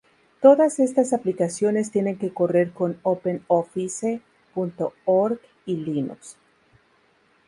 Todas estas aplicaciones tienen que correr con OpenOffice.org y Linux.